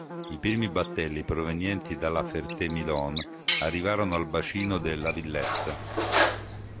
I primi battelli provenienti da La Ferté-Milon arrivavano al bacino de La Villette.